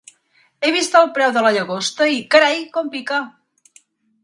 He vist el preu de la llagosta i, carai, com pica!